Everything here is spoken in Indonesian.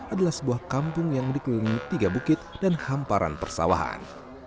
adalah sebuah kampung yang dikelilingi tiga bukit dan hamparan persawahan